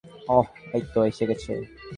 ওহ, এইতো এসে গেছে।